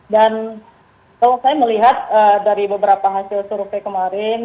dan kalau saya melihat dari beberapa hasil survei kemarin